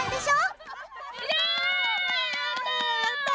やった！